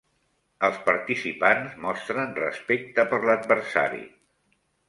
Els participants mostren respecte per l'adversari.